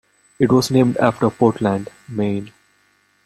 It was named after Portland, Maine.